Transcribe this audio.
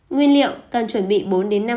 nguyên liệu cần chuẩn bị bốn năm lọ